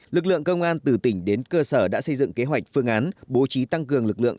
lực lượng công an từ tỉnh đến cơ sở đã xây dựng kế hoạch phương án bố trí tăng cường lực lượng